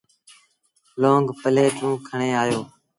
لونگ پليٽون کڻي آيو۔